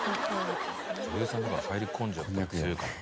女優さんだから入り込んじゃったら強いかも。